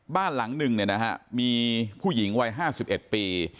บ้านหลังหนึ่งนี่นะครับมีผู้หญิงวัย๕๑ปี